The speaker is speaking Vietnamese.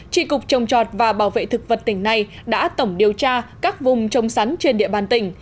trị cục trồng trọt và bảo vệ thực vật tỉnh này đã tổng điều tra các vùng trồng sắn trên địa bàn tỉnh